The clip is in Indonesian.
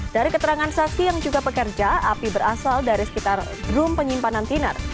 dari keterangan saksi yang juga pekerja api berasal dari sekitar drum penyimpanan tiner